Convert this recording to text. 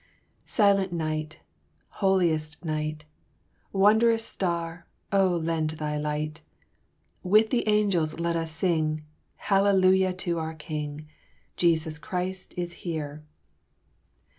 "Silent night! holiest night! Wondrous Star! oh, lend thy light! With the angels let us sing, Hallelujah to our King! Jesus Christ is here!"